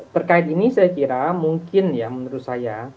terkait ini saya kira mungkin ya menurut saya